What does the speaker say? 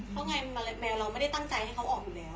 เพราะไงแมลงแมวเราไม่ได้ตั้งใจให้เขาออกอยู่แล้ว